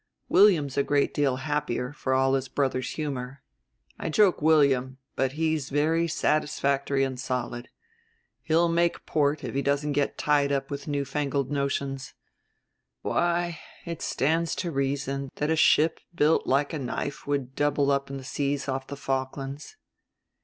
William's a great deal happier, for all his brother's humor. I joke William, but he's very satisfactory and solid. He'll make port if he doesn't get tied up with newfangled notions. Why, it stands to reason that a ship built like a knife would double up in the seas off the Falklands."